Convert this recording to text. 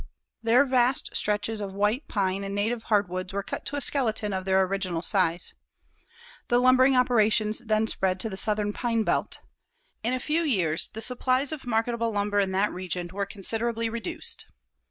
Their vast stretches of white pine and native hardwoods were cut to a skeleton of their original size. The lumbering operations then spread to the southern pine belt. In a few years the supplies of marketable lumber in that region were considerably reduced.